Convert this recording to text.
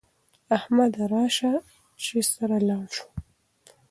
احمده راسه چې سره لاړ سو